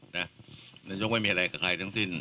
นายกไม่มีอะไรกับใครทั้งสิ้น